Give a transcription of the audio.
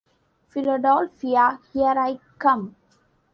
Philadelphia, Here I Come!